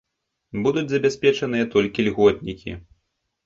Будуць забяспечаныя толькі льготнікі.